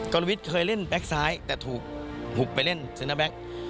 รวิทย์เคยเล่นแบ็คซ้ายแต่ถูกหุบไปเล่นเซนเตอร์แบ็ค